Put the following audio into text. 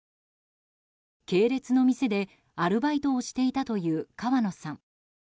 系列の店で、アルバイトをしていたという川野さん。